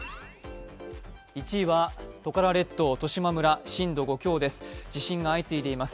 １位はトカラ列島十島村震度５強です。